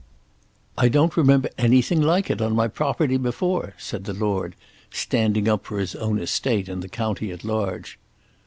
"I don't remember anything like it on my property before," said the lord, standing up for his own estate and the county at large.